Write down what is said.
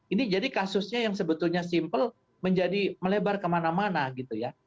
ini jadi kasusnya yang sebetulnya simple menjadi melebar kemana mana gitu ya